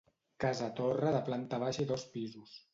Casa-torre de planta baixa i dos pisos.